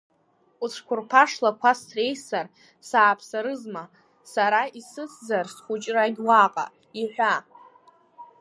Уцәқәырԥа шлақәа среисар, сааԥсарызма, сара исыцзар схәыҷрагь уаҟа, иҳәа?!